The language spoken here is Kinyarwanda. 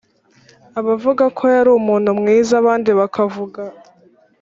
abavuga ko yari umuntu mwiza abandi bakavuga